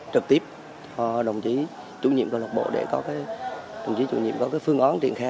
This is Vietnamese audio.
trực tiếp cho đồng chí chủ nhiệm câu lạc bộ để có cái phương án triển khe